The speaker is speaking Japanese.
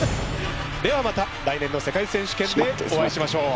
ではまた来年の世界選手権でお会いしましょう。